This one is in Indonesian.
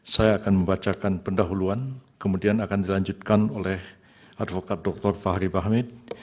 saya akan membacakan pendahuluan kemudian akan dilanjutkan oleh advokat dr fahri bahmid